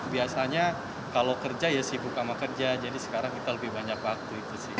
biasanya kalau kerja ya sibuk sama kerja jadi sekarang kita lebih banyak waktu itu sih